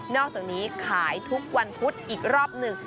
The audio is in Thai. อกจากนี้ขายทุกวันพุธอีกรอบหนึ่ง